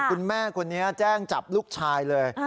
คุณแม่คนนี้แจ้งจับลูกชายเลย